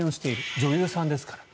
女優さんですから。